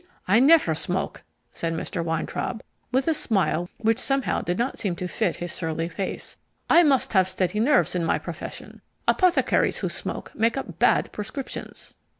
I never smoke," said Mr. Weintraub, with a smile which somehow did not seem to fit his surly face. "I must have steady nerves in my profession. Apothecaries who smoke make up bad prescriptions."